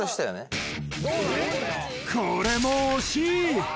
これも惜しい！